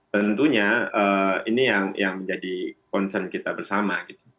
tentunya ini yang menjadi concern kita bersama